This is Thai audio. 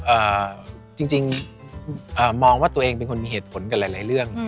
เอ่อจริงมองว่าตัวเองเป็นคนมีเหตุผลกับหลายเรื่อง